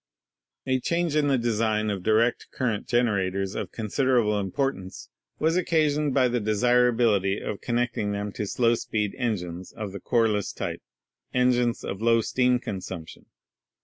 A change in the design of direct current generators of 193 ELECTRICITY considerable importance was occasioned by the desirability of connecting them to slow speed engines of the Corliss type — engines of low steam consumption.